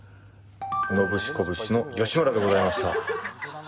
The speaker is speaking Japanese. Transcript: ノブシコブシの吉村でございました。